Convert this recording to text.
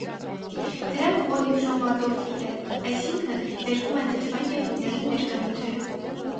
Դրանք պոլիքրոմատոֆիլ են, այսինքն՝ ներկվում են թթվային և հիմնային ներկանյութերով։